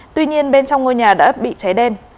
tuy nhiên bên trong ngôi nhà đã bị cháy đen